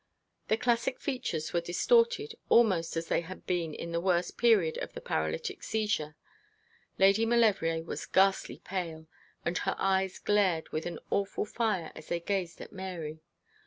The classic features were distorted almost as they had been in the worst period of the paralytic seizure. Lady Maulevrier was ghastly pale, and her eyes glared with an awful fire as they gazed at Mary.